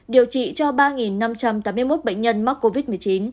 điều trị cho ba năm trăm tám mươi một bệnh nhân mắc covid một mươi chín